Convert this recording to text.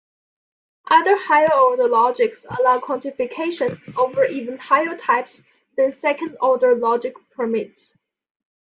Other higher-order logics allow quantification over even higher types than second-order logic permits.